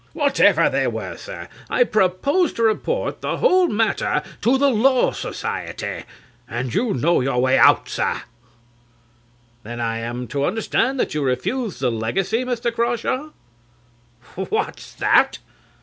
Whatever they were, sir, I propose to report the whole matter to the Law Society. And you know your way out, sir. CLIFTON. Then I am to understand that you refuse the legacy, Mr. Crawshaw? CRAWSHAW (startled). What's that? CLIFTON.